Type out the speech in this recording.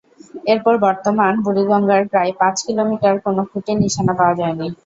এরপর বর্তমান বুড়িগঙ্গার প্রায় পাঁচ কিলোমিটারে কোনো খুঁটির নিশানা পাওয়া যায়নি।